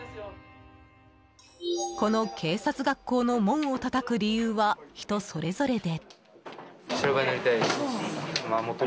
この警察学校の門をたたく理由は人それぞれで。